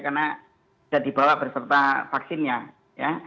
karena sudah dibawa berserta vaksinnya ya